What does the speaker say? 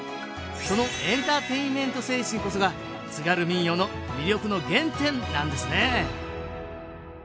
そのエンターテインメント精神こそが津軽民謡の魅力の原点なんですね